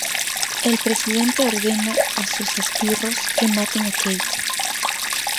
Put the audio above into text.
El presidente ordena a sus esbirros que maten a Kate.